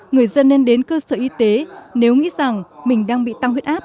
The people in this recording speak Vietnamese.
người dân nên đến cơ sở y tế nếu nghĩ rằng mình đang bị tăng huyết áp